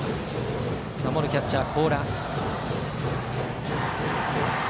守るキャッチャー、高良。